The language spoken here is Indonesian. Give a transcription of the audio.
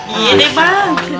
iya deh bang